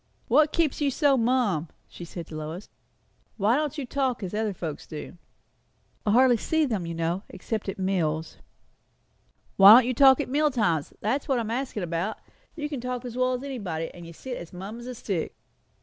"What keeps you so mum?" she said to Lois. "Why don't you talk, as other folks do?" "I hardly see them, you know, except at meals." "Why don't you talk at meal times? that's what I am askin' about. You can talk as well as anybody; and you sit as mum as a stick."